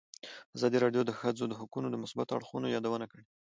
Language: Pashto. ازادي راډیو د د ښځو حقونه د مثبتو اړخونو یادونه کړې.